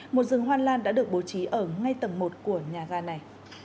một rừng hoa lan đã được bố trí ở ngay tầng một của nhà ga này